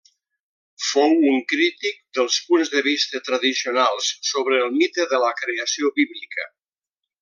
Fou un crític dels punts de vista tradicionals sobre el mite de la creació bíblica.